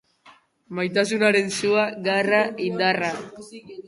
Maitasunaren sua, garra, indarra.